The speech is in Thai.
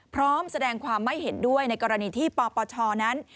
พร้อมแสดงความไม่เห็นด้วยในกรณีที่ปปชนั้น